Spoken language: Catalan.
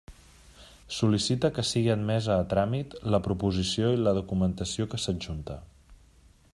Sol·licita, que siga admesa a tràmit la proposició i la documentació que s'adjunta.